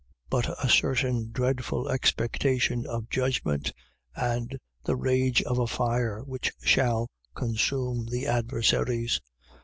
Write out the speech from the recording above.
But a certain dreadful expectation of judgment, and the rage of a fire which shall consume the adversaries.